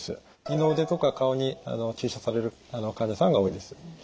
二の腕とか顔に注射される患者さんが多いです。